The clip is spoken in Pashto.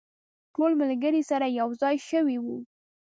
ټول ملګري سره یو ځای شوي وو.